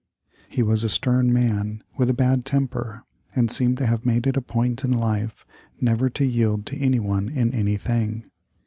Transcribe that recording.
He was a stern man, with a bad temper, and seemed to have made it a point in life never to yield to anyone in anything.